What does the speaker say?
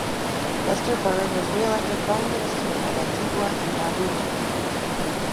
Lester Bird was re-elected Prime Minister of Antigua and Barbuda.